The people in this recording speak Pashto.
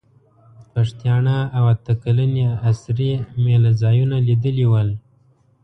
پښتیاڼا او اته کلنې اسرې مېله ځایونه لیدلي ول.